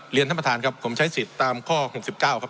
เรียนท่านประธานครับผมใช้สิทธิ์ตามข้อหกสิบเก้าครับ